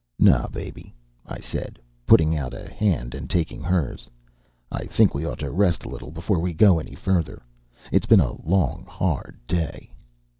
"No, baby," I said, putting out a hand and taking hers. "I think we ought to rest a little before we go any further. It's been a long, hard day."